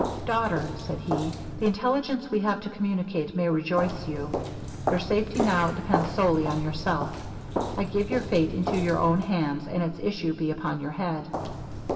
'Daughter,' said he, 'the intelligence we have to communicate may rejoice you. Your safety now depends solely on yourself. I give your fate into your own hands, and its issue be upon your head.'